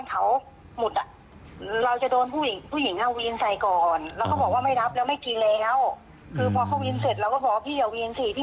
เป็นนัดทิศที่แสดงจังนะครับ